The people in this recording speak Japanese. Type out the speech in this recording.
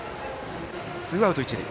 ツーアウト、一塁。